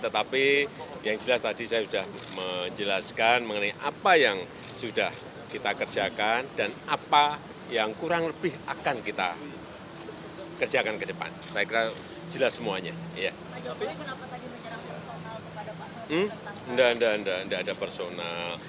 tidak tidak ada personal